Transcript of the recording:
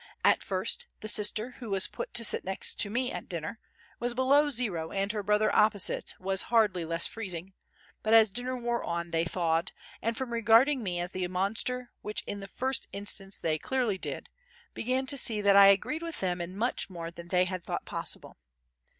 At first the sister, who was put to sit next me at dinner, was below zero and her brother opposite was hardly less freezing; but as dinner wore on they thawed and, from regarding me as the monster which in the first instance they clearly did, began to see that I agreed with them in much more than they had thought possible.